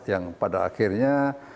yang pada akhirnya